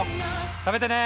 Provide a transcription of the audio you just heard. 食べてね！